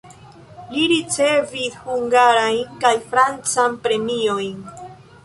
Li ricevis hungarajn kaj francan premiojn.